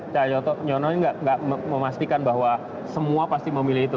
cah nyono tidak memastikan bahwa semua pasti memilih itu